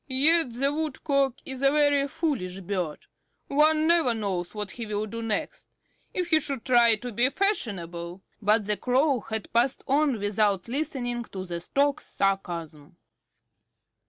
"Yet the Woodcock is a very foolish bird. One never knows what he will do next. If he should try to be fashionable" But the Crow had passed on without listening to the Stork's sarcasm.